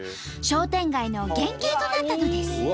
商店街の原形となったのです。